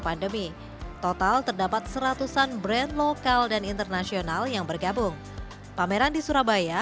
pandemi total terdapat seratusan brand lokal dan internasional yang bergabung pameran di surabaya